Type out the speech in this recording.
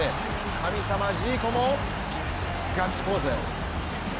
神様ジーコもガッツポーズ。